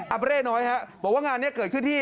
เร่น้อยฮะบอกว่างานนี้เกิดขึ้นที่